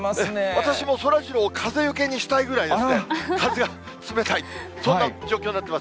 私もそらジローを風よけにしたいぐらいですね、風が冷たい、そんな状況になっています。